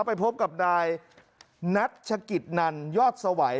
ไปพบกับนายนัชกิจนันยอดสวัย